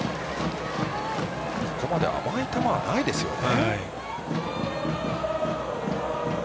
ここまで甘い球はないですよね。